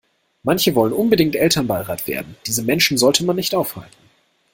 Manche wollen unbedingt Elternbeirat werden, diese Menschen sollte man nicht aufhalten.